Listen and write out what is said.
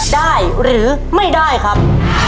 ได้หรือไม่ได้ครับ